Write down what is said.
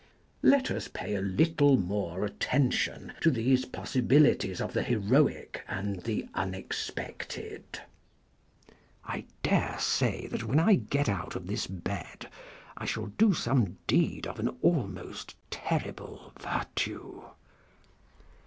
Let us pay a little more attention to these possibilities [lOl] On Lying in Bed of the heroic and the unexpected. I dare say that when I get out of this bed I shall do some deed of an almost terrible virtue.